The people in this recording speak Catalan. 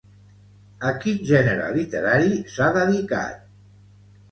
A quin gènere literari s'ha dedicat?